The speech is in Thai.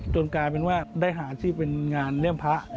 กลายเป็นว่าได้หาอาชีพเป็นงานเลี่ยมพระ